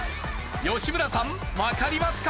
吉村さんわかりますか？